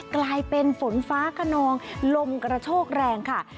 กลายเป็นฝนฟ้าขนองลมกระโชกแรงค่ะ